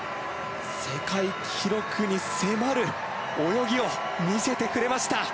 世界記録に迫る泳ぎを見せてくれました。